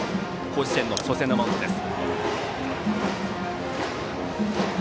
甲子園の初戦のマウンドです。